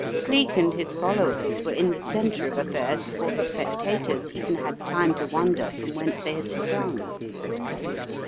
Cleek and his followers were in the centre of affairs before the spectators even had time to wonder from whence they had sprung.